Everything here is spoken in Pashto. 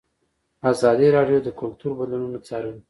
ازادي راډیو د کلتور بدلونونه څارلي.